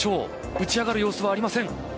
打ち上がる様子はありません。